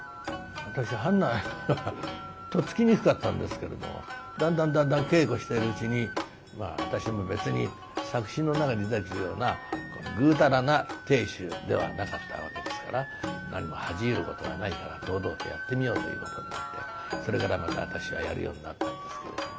私とっつきにくかったんですけれどもだんだんだんだん稽古してるうちにまあ私も別に作品の中に出てくるようなぐうたらな亭主ではなかったわけですから何も恥じ入ることはないから堂々とやってみようということでもってそれからまた私はやるようになったんですけれども。